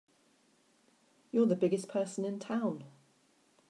You're the biggest person in town!